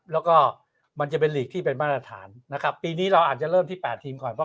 แล้วก็มันจะเป็นหลีกที่เป็นมาตรฐานนะครับปีนี้เราอาจจะเริ่มที่๘ทีมก่อน